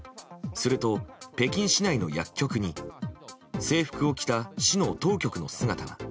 すると、北京市内の薬局に制服を着た市の当局の姿が。